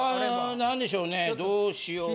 あ何でしょうねどうしようかな。